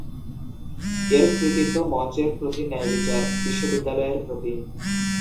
এর কৃতিত্ব মঞ্চের প্রতি ন্যায়বিচার; বিশ্ববিদ্যালয়ের প্রতি।